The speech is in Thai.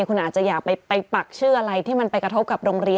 คุณอาจจะอยากไปปักชื่ออะไร